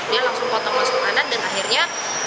dia langsung potong langsung kanan dan akhirnya